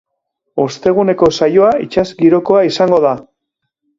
Osteguneko saioa itsas girokoa izango da.